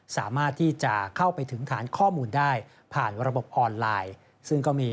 สามารถที่จะเข้าไปถึงฐานข้อมูลได้ผ่านระบบออนไลน์ซึ่งก็มี